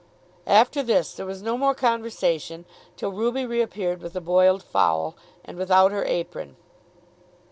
After this there was no more conversation till Ruby reappeared with the boiled fowl, and without her apron.